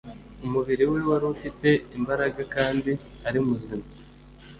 Umubiri we wari ufite imbaraga kandi ari muzima